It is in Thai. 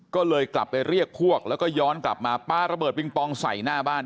ก็เลยกลับไปเรียกพวกแล้วก็ย้อนกลับมาปลาระเบิดปิงปองใส่หน้าบ้าน